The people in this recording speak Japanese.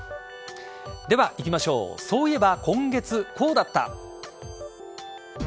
では、いきましょうそういえば今月こうだった。